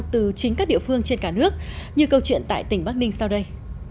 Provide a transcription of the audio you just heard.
từ chính các địa phương trên cả nước như câu chuyện tại tỉnh bắc ninh sau đây